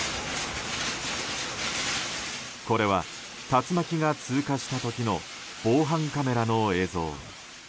これは、竜巻が通過した時の防犯カメラの映像。